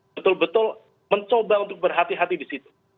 betul betul mencoba untuk berhati hati di situ